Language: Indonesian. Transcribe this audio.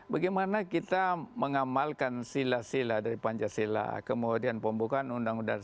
bagaimana kita mengamalkan sila sila dari pancasila kemudian pembukaan undang undang seribu sembilan ratus empat puluh lima